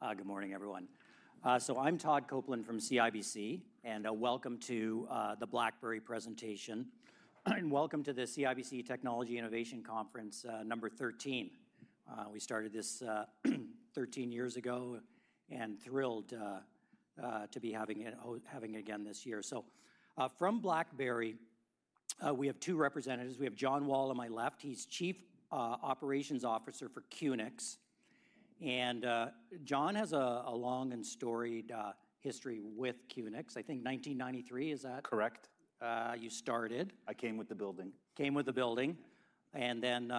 Good morning, everyone. I'm Todd Coupland from CIBC, and welcome to the BlackBerry presentation, and welcome to the CIBC Technology Innovation Conference, number 13. We started this 13 years ago and thrilled to be having it again this year. From BlackBerry, we have two representatives. We have John Wall on my left. He's Chief Operating Officer for QNX. John has a long and storied history with QNX. I think 1993, is that? Correct. You started? I came with the building. Came with the building, and then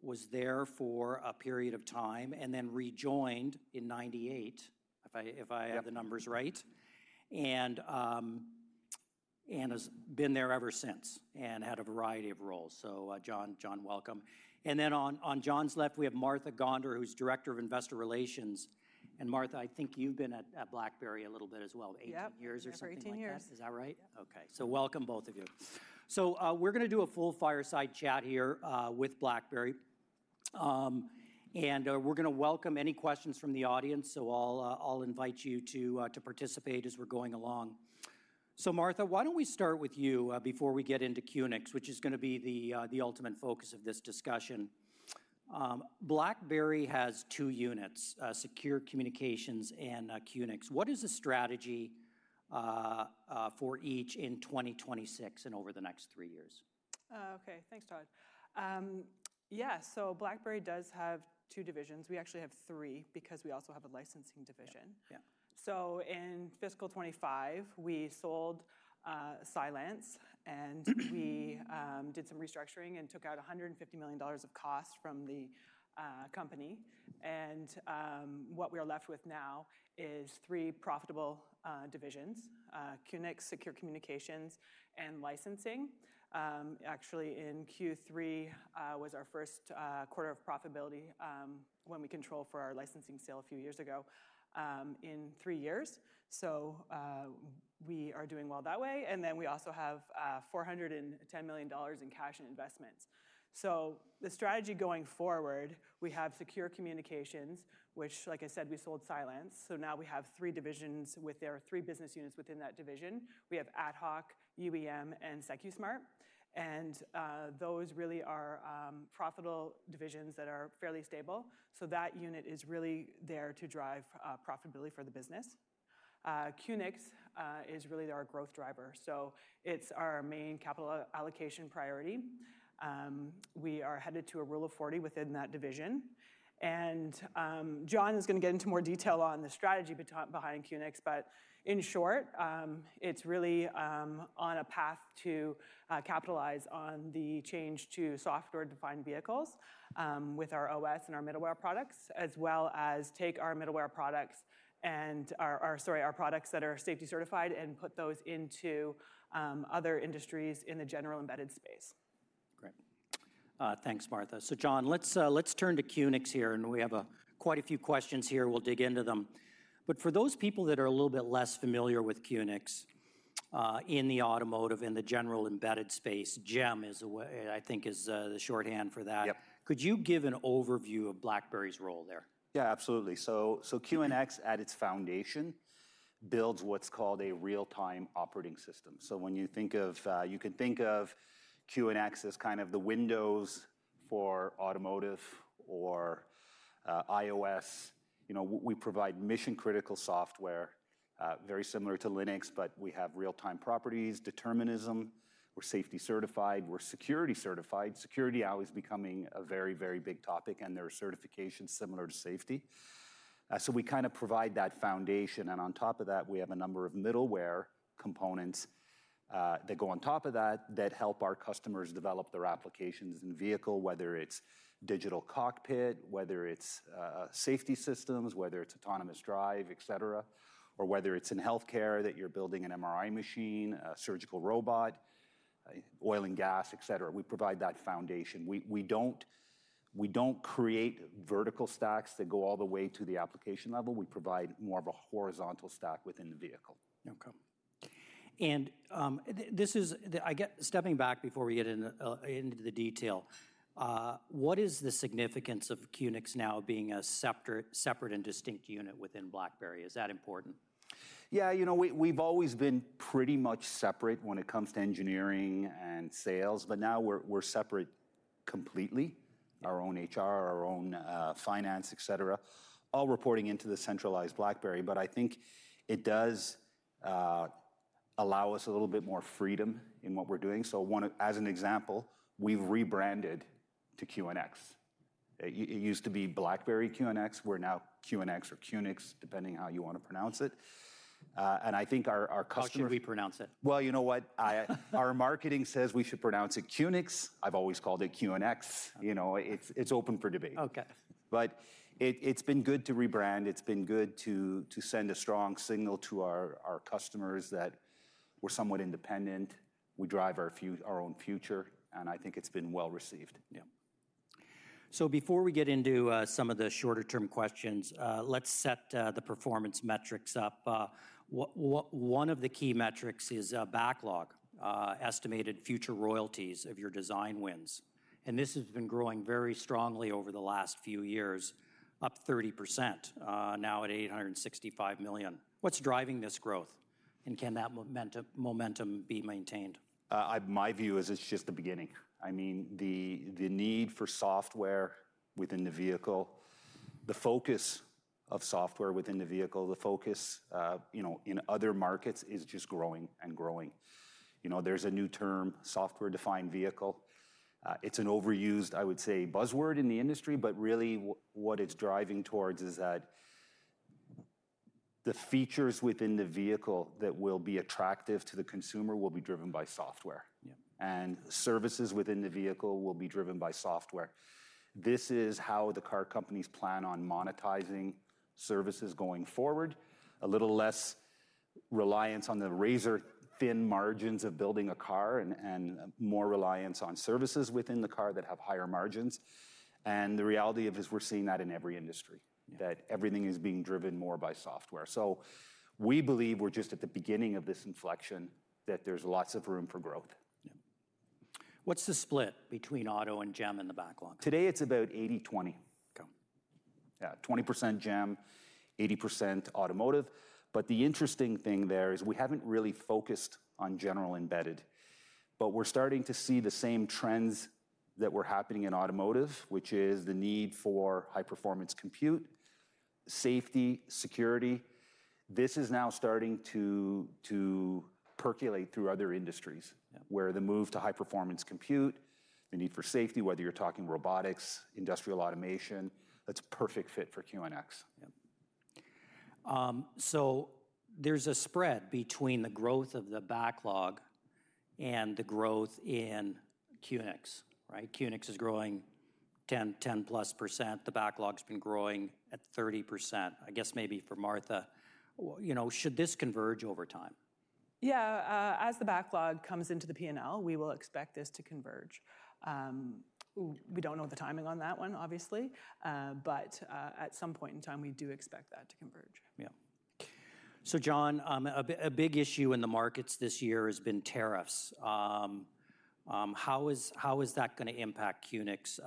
was there for a period of time, and then rejoined in 1998, if I have the numbers right. Has been there ever since and had a variety of roles. John, welcome. On John's left, we have Martha Gonder, who's Director of Investor Relations. Martha, I think you've been at BlackBerry a little bit as well, 18 years or something like that? Yeah, 18 years. Is that right? Okay. So welcome, both of you. We're going to do a full fireside chat here with BlackBerry, and we're going to welcome any questions from the audience. I'll invite you to participate as we're going along. Martha, why don't we start with you before we get into QNX, which is going to be the ultimate focus of this discussion. BlackBerry has two units, Secure Communications and QNX. What is the strategy for each in 2026 and over the next three years? Okay, thanks, Todd. Yeah, so BlackBerry does have two divisions. We actually have three because we also have a licensing division. So in fiscal 2025, we sold Cylance, and we did some restructuring and took out $150 million of cost from the company. What we are left with now is three profitable divisions: QNX, Secure Communications, and Licensing. Actually, in Q3 was our first quarter of profitability when we controlled for our licensing sale a few years ago in three years. We are doing well that way. We also have $410 million in cash and investments. The strategy going forward, we have Secure Communications, which, like I said, we sold Cylance. Now we have three divisions with our three business units within that division. We have AtHoc, UEM, and Secusmart. Those really are profitable divisions that are fairly stable. That unit is really there to drive profitability for the business. QNX is really our growth driver. It is our main capital allocation priority. We are headed to a rule of 40 within that division. John is going to get into more detail on the strategy behind QNX. In short, it is really on a path to capitalize on the change to software-defined vehicles with our OS and our middleware products, as well as take our middleware products and, sorry, our products that are safety certified and put those into other industries in the general embedded space. Great. Thanks, Martha. John, let's turn to QNX here, and we have quite a few questions here. We'll dig into them. For those people that are a little bit less familiar with QNX in the automotive, in the general embedded space, GEM, I think, is the shorthand for that. Could you give an overview of BlackBerry's role there? Yeah, absolutely. QNX, at its foundation, builds what's called a real-time operating system. When you think of, you can think of QNX as kind of the Windows for automotive or iOS. We provide mission-critical software, very similar to Linux, but we have real-time properties, determinism. We're safety certified. We're security certified. Security is always becoming a very, very big topic, and there are certifications similar to safety. We kind of provide that foundation. On top of that, we have a number of middleware components that go on top of that that help our customers develop their applications in vehicle, whether it's digital cockpit, whether it's safety systems, whether it's autonomous drive, et cetera, or whether it's in healthcare that you're building an MRI machine, a surgical robot, oil and gas, et cetera. We provide that foundation. We don't create vertical stacks that go all the way to the application level. We provide more of a horizontal stack within the vehicle. Okay. This is, I guess, stepping back before we get into the detail, what is the significance of QNX now being a separate and distinct unit within BlackBerry? Is that important? Yeah, you know, we've always been pretty much separate when it comes to engineering and sales, but now we're separate completely. Our own HR, our own finance, et cetera, all reporting into the centralized BlackBerry. I think it does allow us a little bit more freedom in what we're doing. For example, we've rebranded to QNX. It used to be BlackBerry QNX. We're now QNX or QNX, depending on how you want to pronounce it. I think our customers. How should we pronounce it? You know what? Our marketing says we should pronounce it QNX. I've always called it QNX. You know, it's open for debate. It has been good to rebrand. It has been good to send a strong signal to our customers that we're somewhat independent. We drive our own future. I think it's been well received. Yeah. Before we get into some of the shorter-term questions, let's set the performance metrics up. One of the key metrics is backlog, estimated future royalties of your design wins. This has been growing very strongly over the last few years, up 30%, now at $865 million. What's driving this growth? Can that momentum be maintained? My view is it's just the beginning. I mean, the need for software within the vehicle, the focus of software within the vehicle, the focus in other markets is just growing and growing. There's a new term, software-defined vehicle. It's an overused, I would say, buzzword in the industry, but really what it's driving towards is that the features within the vehicle that will be attractive to the consumer will be driven by software. And services within the vehicle will be driven by software. This is how the car companies plan on monetizing services going forward: a little less reliance on the razor-thin margins of building a car and more reliance on services within the car that have higher margins. The reality of it is we're seeing that in every industry, that everything is being driven more by software. We believe we're just at the beginning of this inflection, that there's lots of room for growth. What's the split between auto and GEM in the backlog? Today, it's about 80/20. Yeah, 20% GEM, 80% automotive. The interesting thing there is we haven't really focused on general embedded, but we're starting to see the same trends that were happening in automotive, which is the need for high-performance compute, safety, security. This is now starting to percolate through other industries where the move to high-performance compute, the need for safety, whether you're talking robotics, industrial automation, that's a perfect fit for QNX. There's a spread between the growth of the backlog and the growth in QNX. QNX is growing 10+%. The backlog's been growing at 30%. I guess maybe for Martha, should this converge over time? Yeah, as the backlog comes into the P&L, we will expect this to converge. We do not know the timing on that one, obviously, but at some point in time, we do expect that to converge. Yeah. So John, a big issue in the markets this year has been tariffs. How is that going to impact QNX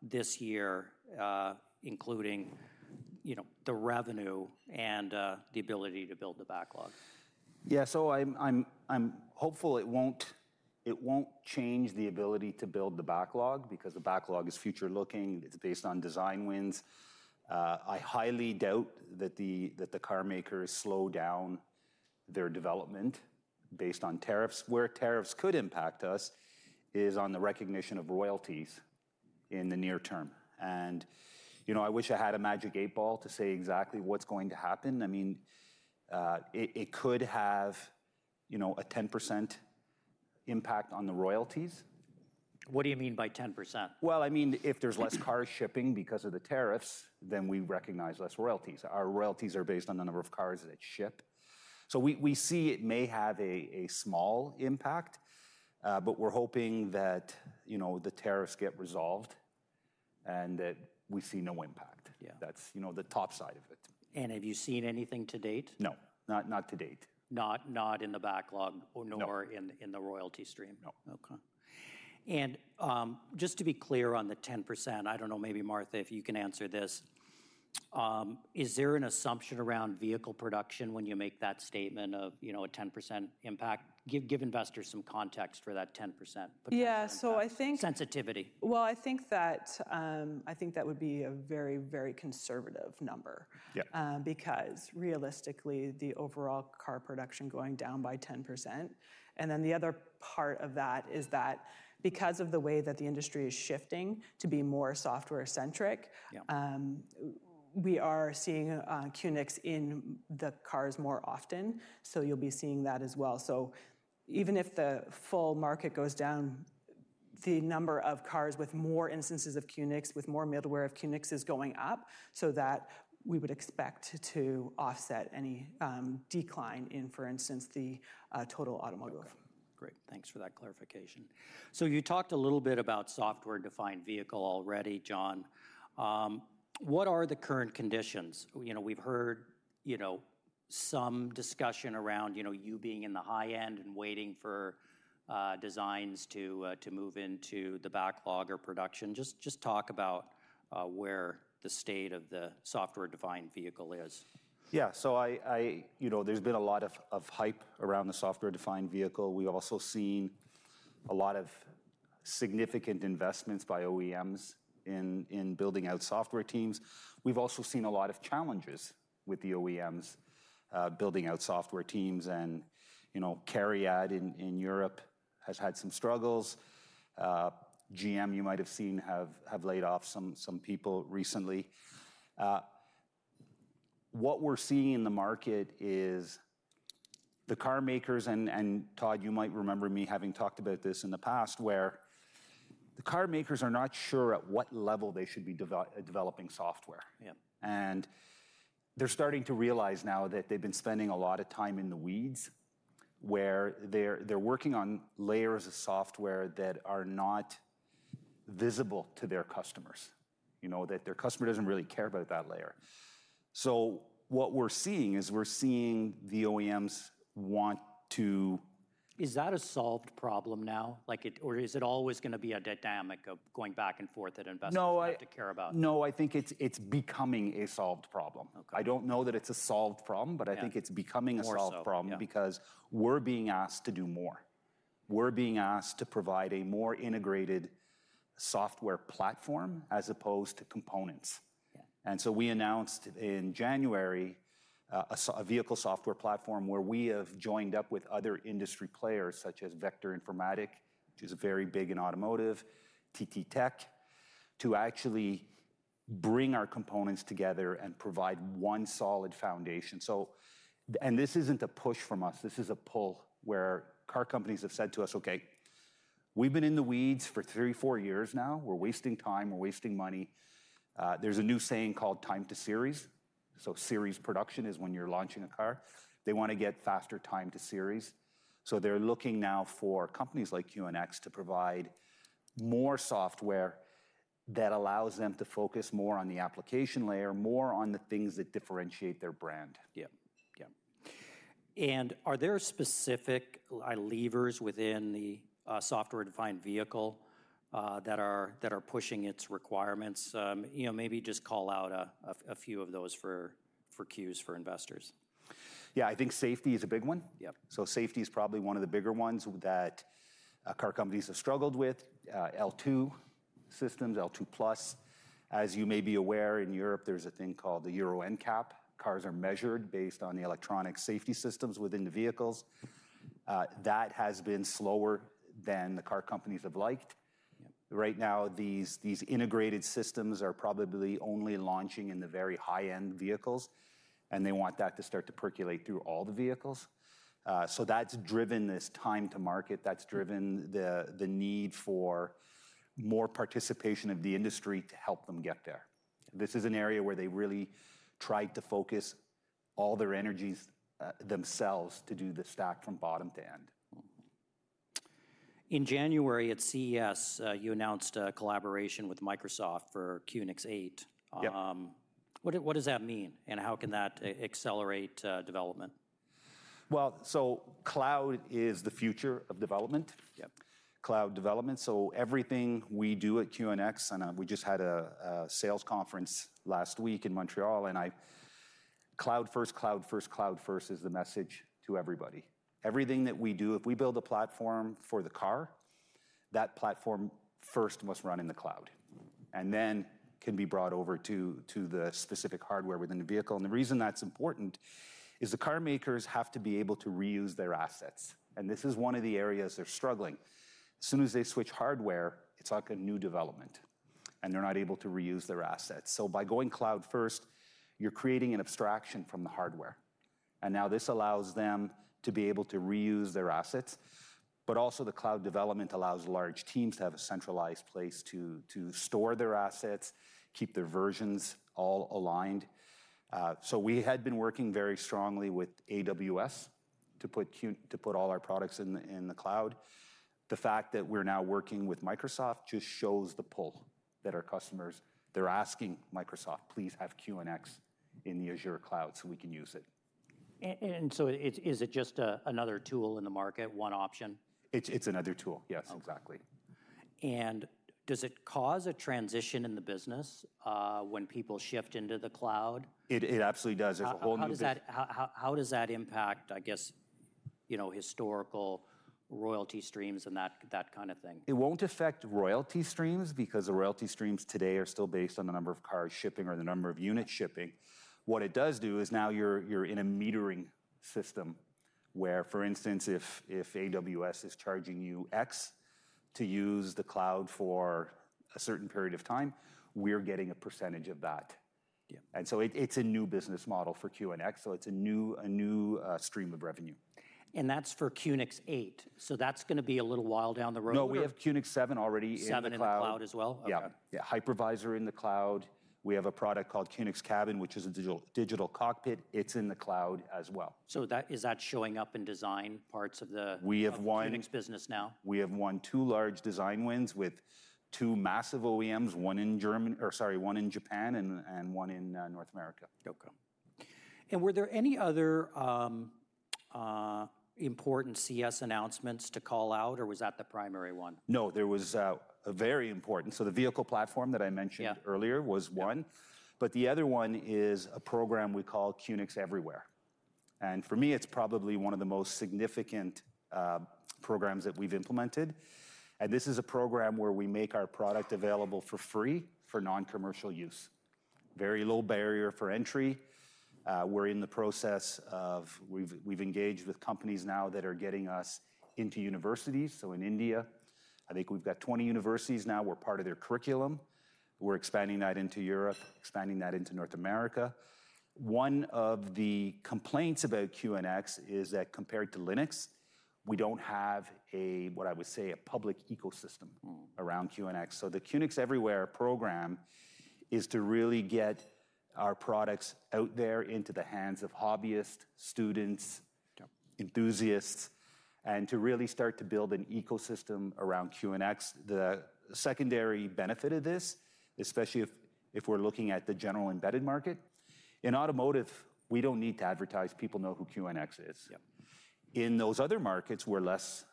this year, including the revenue and the ability to build the backlog? Yeah, so I'm hopeful it won't change the ability to build the backlog because the backlog is future-looking. It's based on design wins. I highly doubt that the car makers slow down their development based on tariffs. Where tariffs could impact us is on the recognition of royalties in the near term. I wish I had a magic eight-ball to say exactly what's going to happen. I mean, it could have a 10% impact on the royalties. What do you mean by 10%? I mean, if there's less car shipping because of the tariffs, then we recognize less royalties. Our royalties are based on the number of cars that ship. We see it may have a small impact, but we're hoping that the tariffs get resolved and that we see no impact. That's the top side of it. Have you seen anything to date? No, not to date. Not in the backlog, nor in the royalty stream? No. Okay. Just to be clear on the 10%, I don't know, maybe Martha, if you can answer this. Is there an assumption around vehicle production when you make that statement of a 10% impact? Give investors some context for that 10%. Yeah, so I think. Sensitivity. I think that would be a very, very conservative number because realistically, the overall car production going down by 10%. The other part of that is that because of the way that the industry is shifting to be more software-centric, we are seeing QNX in the cars more often. You'll be seeing that as well. Even if the full market goes down, the number of cars with more instances of QNX, with more middleware of QNX, is going up so that we would expect to offset any decline in, for instance, the total automotive. Great. Thanks for that clarification. You talked a little bit about software-defined vehicle already, John. What are the current conditions? We've heard some discussion around you being in the high end and waiting for designs to move into the backlog or production. Just talk about where the state of the software-defined vehicle is. Yeah, so there's been a lot of hype around the software-defined vehicle. We've also seen a lot of significant investments by OEMs in building out software teams. We've also seen a lot of challenges with the OEMs building out software teams. And CARIAD in Europe has had some struggles. GEM, you might have seen, have laid off some people recently. What we're seeing in the market is the car makers, and Todd, you might remember me having talked about this in the past, where the car makers are not sure at what level they should be developing software. They're starting to realize now that they've been spending a lot of time in the weeds where they're working on layers of software that are not visible to their customers, that their customer doesn't really care about that layer. What we're seeing is we're seeing the OEMs want to. Is that a solved problem now? Or is it always going to be a dynamic of going back and forth that investors have to care about? No, I think it's becoming a solved problem. I don't know that it's a solved problem, but I think it's becoming a solved problem because we're being asked to do more. We're being asked to provide a more integrated software platform as opposed to components. We announced in January a vehicle software platform where we have joined up with other industry players such as VECTOR Informatik, which is very big in automotive, TTTech, to actually bring our components together and provide one solid foundation. This isn't a push from us. This is a pull where car companies have said to us, "Okay, we've been in the weeds for three, four years now. We're wasting time. We're wasting money." There's a new saying called time to series. Series production is when you're launching a car. They want to get faster time to series. They're looking now for companies like QNX to provide more software that allows them to focus more on the application layer, more on the things that differentiate their brand. Yeah. Yeah. Are there specific levers within the software-defined vehicle that are pushing its requirements? Maybe just call out a few of those for cues for investors. Yeah, I think safety is a big one. Safety is probably one of the bigger ones that car companies have struggled with: L2 systems, L2+. As you may be aware, in Europe, there is a thing called the Euro NCAP. Cars are measured based on the electronic safety systems within the vehicles. That has been slower than the car companies have liked. Right now, these integrated systems are probably only launching in the very high-end vehicles, and they want that to start to percolate through all the vehicles. That has driven this time to market. That has driven the need for more participation of the industry to help them get there. This is an area where they really tried to focus all their energies themselves to do the stack from bottom to end. In January at CES, you announced a collaboration with Microsoft for QNX 8. What does that mean? And how can that accelerate development? Cloud is the future of development, cloud development. Everything we do at QNX, and we just had a sales conference last week in Montreal, and cloud first, cloud first, cloud first is the message to everybody. Everything that we do, if we build a platform for the car, that platform first must run in the cloud and then can be brought over to the specific hardware within the vehicle. The reason that's important is the car makers have to be able to reuse their assets. This is one of the areas they're struggling. As soon as they switch hardware, it's like a new development, and they're not able to reuse their assets. By going cloud first, you're creating an abstraction from the hardware. Now this allows them to be able to reuse their assets. Also, the cloud development allows large teams to have a centralized place to store their assets, keep their versions all aligned. We had been working very strongly with AWS to put all our products in the cloud. The fact that we're now working with Microsoft just shows the pull that our customers, they're asking Microsoft, "Please have QNX in the Azure cloud so we can use it. Is it just another tool in the market, one option? It's another tool, yes, exactly. Does it cause a transition in the business when people shift into the cloud? It absolutely does. How does that impact, I guess, historical royalty streams and that kind of thing? It will not affect royalty streams because the royalty streams today are still based on the number of cars shipping or the number of units shipping. What it does do is now you are in a metering system where, for instance, if AWS is charging you X to use the cloud for a certain period of time, we are getting a percentage of that. It is a new business model for QNX. It is a new stream of revenue. That's for QNX 8. So that's going to be a little while down the road? No, we have QNX 7 already in the cloud. Seven in the cloud as well? Yeah, Hypervisor in the cloud. We have a product called QNX Cabin, which is a digital cockpit. It's in the cloud as well. Is that showing up in design parts of the QNX business now? We have won two large design wins with two massive OEMs, one in Japan, and one in North America. Okay. Were there any other important CES announcements to call out, or was that the primary one? No, there was a very important. The vehicle platform that I mentioned earlier was one. The other one is a program we call QNX Everywhere. For me, it's probably one of the most significant programs that we've implemented. This is a program where we make our product available for free for non-commercial use, very low barrier for entry. We're in the process of, we've engaged with companies now that are getting us into universities. In India, I think we've got 20 universities now. We're part of their curriculum. We're expanding that into Europe, expanding that into North America. One of the complaints about QNX is that compared to Linux, we don't have a, what I would say, a public ecosystem around QNX. The QNX Everywhere program is to really get our products out there into the hands of hobbyists, students, enthusiasts, and to really start to build an ecosystem around QNX. The secondary benefit of this, especially if we're looking at the general embedded market. In automotive, we don't need to advertise. People know who QNX is. In those other markets, we're less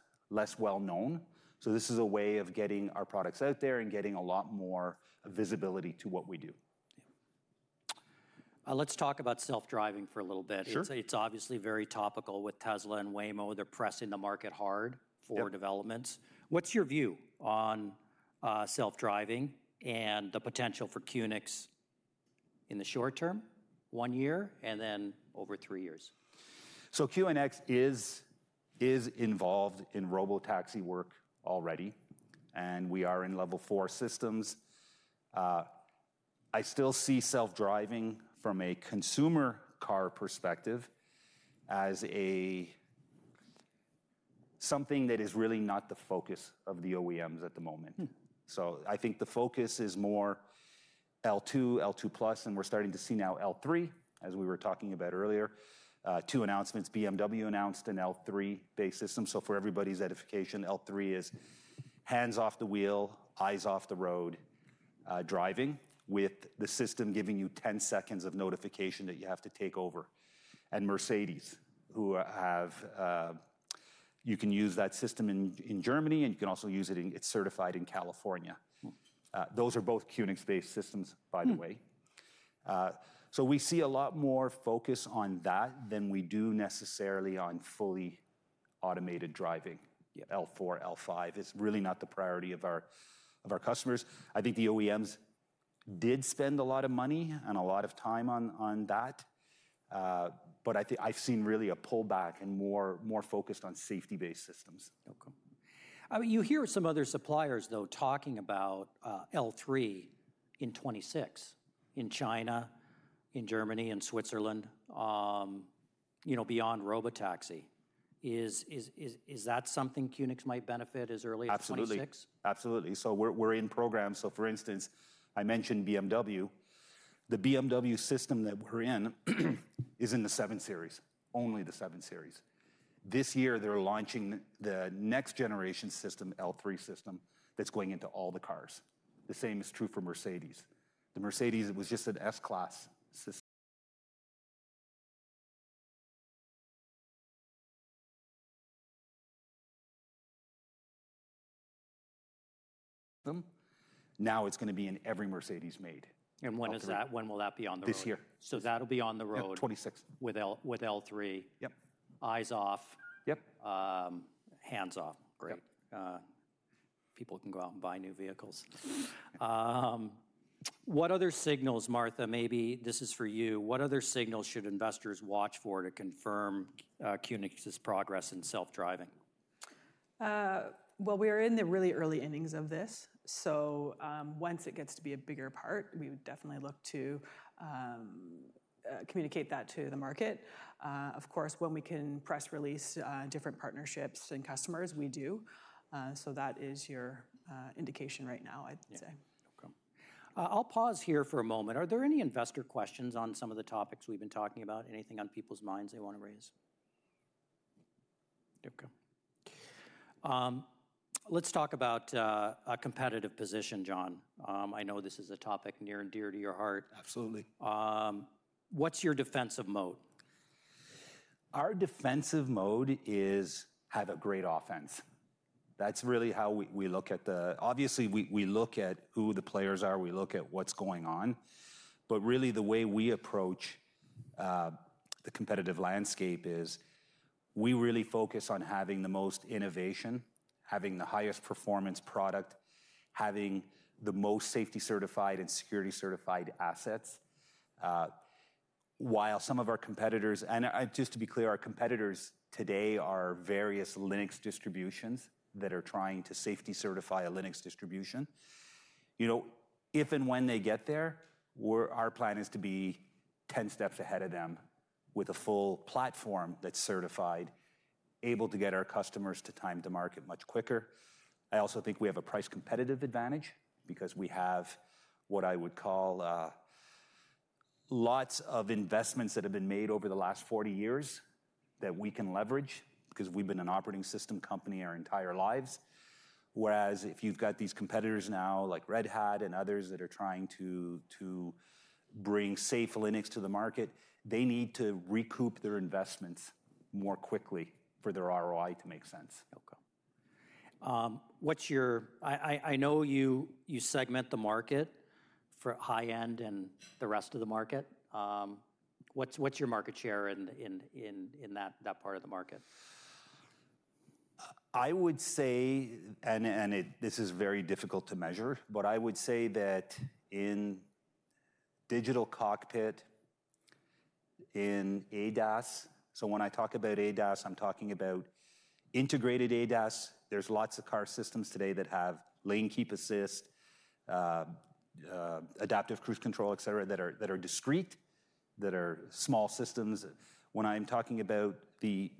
well-known. This is a way of getting our products out there and getting a lot more visibility to what we do. Let's talk about self-driving for a little bit. It's obviously very topical with Tesla and Waymo. They're pressing the market hard for developments. What's your view on self-driving and the potential for QNX in the short term, one year, and then over three years? QNX is involved in robotaxi work already, and we are in level four systems. I still see self-driving from a consumer car perspective as something that is really not the focus of the OEMs at the moment. I think the focus is more L2, L2+, and we're starting to see now L3, as we were talking about earlier. Two announcements. BMW announced an L3-based system. For everybody's edification, L3 is hands off the wheel, eyes off the road driving with the system giving you 10 seconds of notification that you have to take over. Mercedes, you can use that system in Germany, and you can also use it. It's certified in California. Those are both QNX-based systems, by the way. We see a lot more focus on that than we do necessarily on fully automated driving. L4, L5 is really not the priority of our customers. I think the OEMs did spend a lot of money and a lot of time on that, but I've seen really a pullback and more focused on safety-based systems. You hear some other suppliers, though, talking about L3 in 2026 in China, in Germany, in Switzerland, beyond robotaxi. Is that something QNX might benefit as early as 2026? Absolutely. Absolutely. We are in programs. For instance, I mentioned BMW. The BMW system that we are in is in the 7 Series, only the 7 Series. This year, they are launching the next generation system, L3 system, that is going into all the cars. The same is true for Mercedes. The Mercedes was just an S-Class system. Now it is going to be in every Mercedes made. When will that be on the road? This year. That'll be on the road with L3, eyes off, hands off. Great. People can go out and buy new vehicles. What other signals, Martha, maybe this is for you. What other signals should investors watch for to confirm QNX's progress in self-driving? We are in the really early innings of this. Once it gets to be a bigger part, we would definitely look to communicate that to the market. Of course, when we can press release different partnerships and customers, we do. That is your indication right now, I'd say. I'll pause here for a moment. Are there any investor questions on some of the topics we've been talking about? Anything on people's minds they want to raise? Let's talk about a competitive position, John. I know this is a topic near and dear to your heart. Absolutely. What's your defensive mode? Our defensive mode is have a great offense. That's really how we look at it. Obviously, we look at who the players are. We look at what's going on. Really, the way we approach the competitive landscape is we really focus on having the most innovation, having the highest performance product, having the most safety-certified and security-certified assets. While some of our competitors, and just to be clear, our competitors today are various Linux distributions that are trying to safety-certify a Linux distribution. If and when they get there, our plan is to be 10 steps ahead of them with a full platform that's certified, able to get our customers to time to market much quicker. I also think we have a price competitive advantage because we have what I would call lots of investments that have been made over the last 40 years that we can leverage because we've been an operating system company our entire lives. Whereas if you've got these competitors now like Red Hat and others that are trying to bring safe Linux to the market, they need to recoup their investments more quickly for their ROI to make sense. I know you segment the market for high-end and the rest of the market. What's your market share in that part of the market? I would say, and this is very difficult to measure, but I would say that in digital cockpit, in ADAS, so when I talk about ADAS, I'm talking about integrated ADAS. There are lots of car systems today that have lane keep assist, adaptive cruise control, etc., that are discrete, that are small systems. When I'm talking about the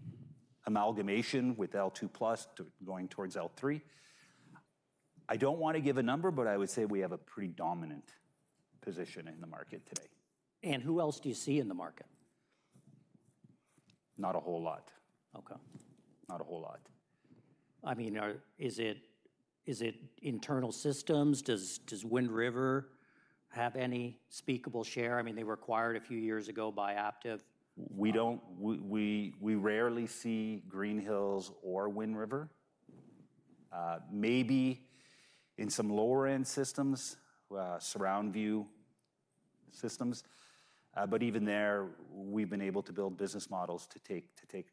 amalgamation with L2+ going towards L3, I do not want to give a number, but I would say we have a pretty dominant position in the market today. Who else do you see in the market? Not a whole lot. I mean, is it internal systems? Does Wind River have any speakable share? I mean, they were acquired a few years ago by Aptiv. We rarely see Green Hills or Wind River. Maybe in some lower-end systems, surround view systems. Even there, we've been able to build business models to take a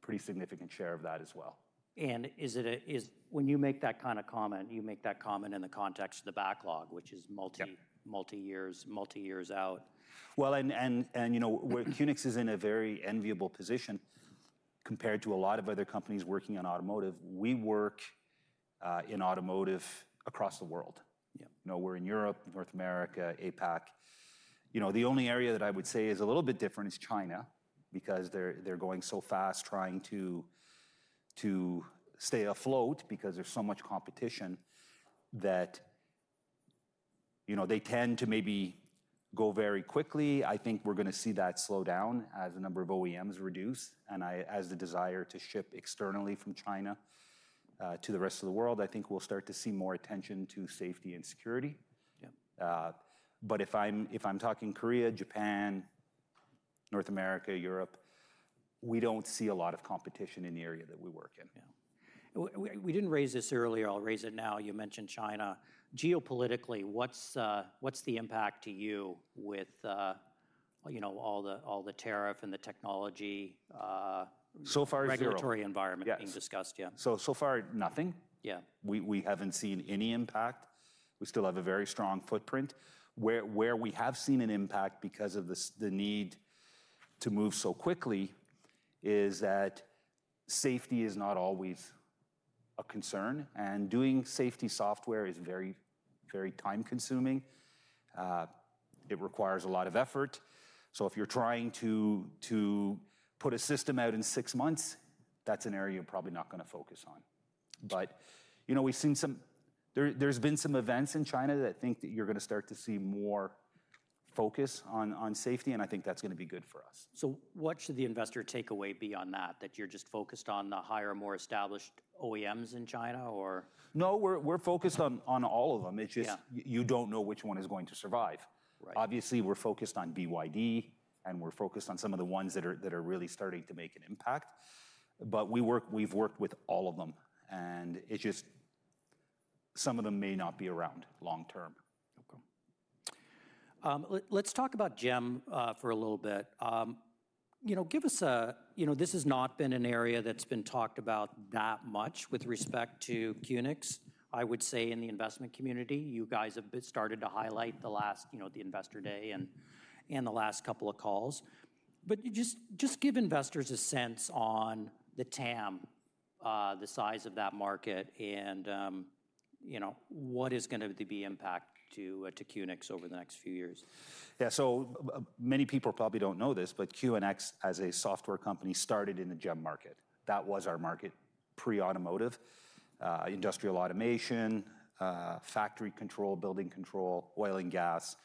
pretty significant share of that as well. When you make that kind of comment, you make that comment in the context of the backlog, which is multi-years out. QNX is in a very enviable position compared to a lot of other companies working in automotive. We work in automotive across the world. We're in Europe, North America, APAC. The only area that I would say is a little bit different is China because they're going so fast trying to stay afloat because there's so much competition that they tend to maybe go very quickly. I think we're going to see that slow down as the number of OEMs reduce and as the desire to ship externally from China to the rest of the world. I think we'll start to see more attention to safety and security. If I'm talking Korea, Japan, North America, Europe, we don't see a lot of competition in the area that we work in. We did not raise this earlier. I will raise it now. You mentioned China. Geopolitically, what is the impact to you with all the tariff and the technology? So far. Regulatory environment being discussed. Yeah. So far, nothing. We haven't seen any impact. We still have a very strong footprint. Where we have seen an impact because of the need to move so quickly is that safety is not always a concern. Doing safety software is very, very time-consuming. It requires a lot of effort. If you're trying to put a system out in six months, that's an area you're probably not going to focus on. We've seen some events in China that I think are going to start to see more focus on safety, and I think that's going to be good for us. What should the investor takeaway be on that? That you're just focused on the higher, more established OEMs in China, or? No, we're focused on all of them. It's just you don't know which one is going to survive. Obviously, we're focused on BYD, and we're focused on some of the ones that are really starting to make an impact. We've worked with all of them. It's just some of them may not be around long-term. Let's talk about GEM for a little bit. This has not been an area that's been talked about that much with respect to QNX, I would say, in the investment community. You guys have started to highlight the last, the investor day and the last couple of calls. Just give investors a sense on the TAM, the size of that market, and what is going to be the impact to QNX over the next few years. Yeah, so many people probably don't know this, but QNX, as a software company, started in the GEM market. That was our market pre-automotive, industrial automation, factory control, building control, oil and gas.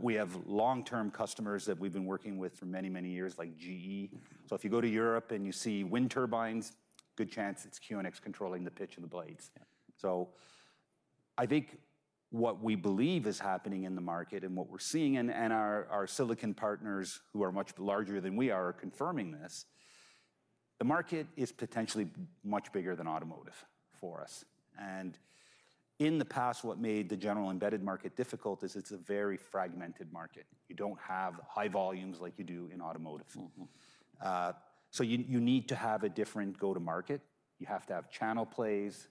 We have long-term customers that we've been working with for many, many years, like GE. If you go to Europe and you see wind turbines, good chance it's QNX controlling the pitch and the blades. I think what we believe is happening in the market and what we're seeing, and our silicon partners who are much larger than we are confirming this, the market is potentially much bigger than automotive for us. In the past, what made the general embedded market difficult is it's a very fragmented market. You don't have high volumes like you do in automotive. You need to have a different go-to-market. You have to have channel plays.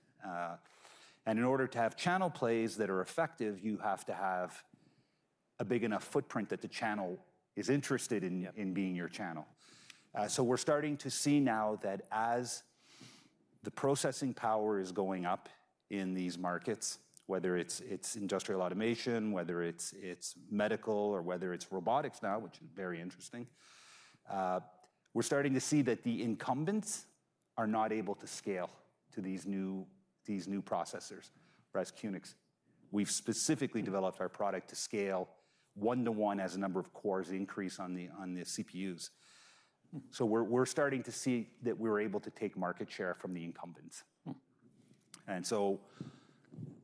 In order to have channel plays that are effective, you have to have a big enough footprint that the channel is interested in being your channel. We're starting to see now that as the processing power is going up in these markets, whether it's industrial automation, whether it's medical, or whether it's robotics now, which is very interesting, we're starting to see that the incumbents are not able to scale to these new processors, whereas QNX, we've specifically developed our product to scale one-to-one as the number of cores increase on the CPUs. We're starting to see that we're able to take market share from the incumbents.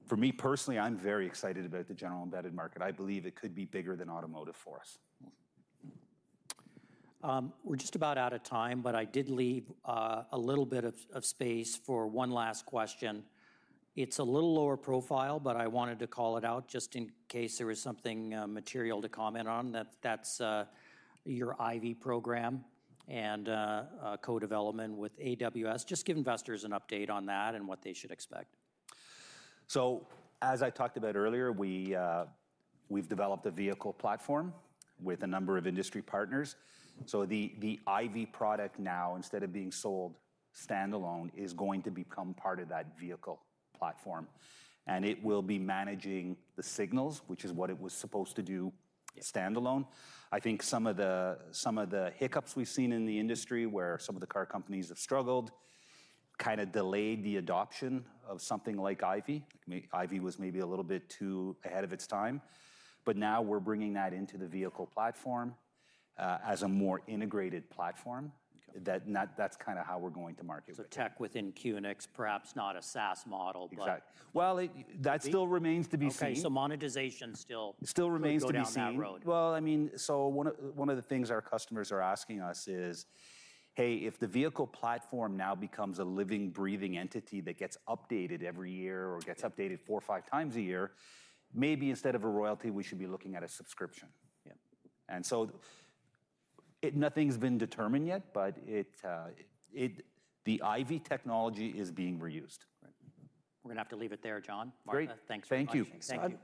For me personally, I'm very excited about the general embedded market. I believe it could be bigger than automotive for us. We're just about out of time, but I did leave a little bit of space for one last question. It's a little lower profile, but I wanted to call it out just in case there is something material to comment on. That's your IVY program and co-development with AWS. Just give investors an update on that and what they should expect. As I talked about earlier, we've developed a vehicle platform with a number of industry partners. The IVY product now, instead of being sold standalone, is going to become part of that vehicle platform. It will be managing the signals, which is what it was supposed to do standalone. I think some of the hiccups we've seen in the industry where some of the car companies have struggled kind of delayed the adoption of something like IVY. IVY was maybe a little bit too ahead of its time. Now we're bringing that into the vehicle platform as a more integrated platform. That's kind of how we're going to market. So tech within QNX, perhaps not a SaaS model. Exactly. That still remains to be seen. Okay. So monetization still remains to be seen. Still remains to be seen. I mean, one of the things our customers are asking us is, hey, if the vehicle platform now becomes a living, breathing entity that gets updated every year or gets updated four or five times a year, maybe instead of a royalty, we should be looking at a subscription. Nothing's been determined yet, but the IVY technology is being reused. We're going to have to leave it there, John. Martha, thanks for your time. Thank you.